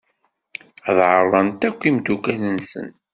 Ad d-ɛerḍen akk imeddukal-nsen.